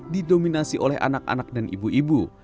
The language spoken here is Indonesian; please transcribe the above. didominasi oleh anak anak dan ibu ibu